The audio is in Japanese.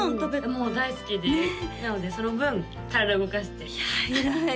もう大好きですなのでその分体動かしていや偉い！